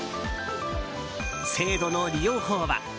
制度の利用法は？